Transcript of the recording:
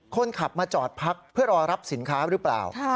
คนขับมาจอดพักเพื่อรอรับสินค้าหรือเปล่า